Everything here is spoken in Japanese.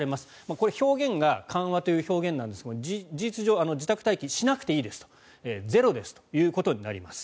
これ表現が緩和という表現なんですが事実上自宅待機しなくていいですとゼロですということになります。